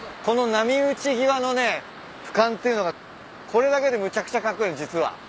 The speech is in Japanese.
この波打ち際のねふかんっていうのがこれだけでむちゃくちゃカッコイイの実は。